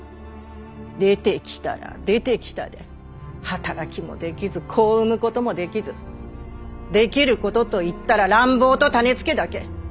出てきたら出てきたで働きもできず子を産むこともできずできることと言ったら乱暴と種付けだけ！